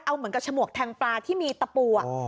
เอาเหมือนกับฉมวกแทงปลาที่มีตะปู